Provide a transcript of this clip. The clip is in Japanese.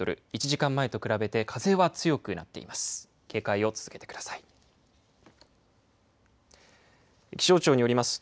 １時間前と比べて風は強くなっています。